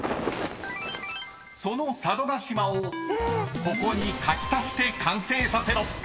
［その佐渡島をここに描き足して完成させろ］